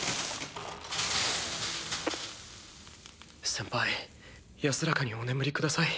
先輩安らかにお眠りください。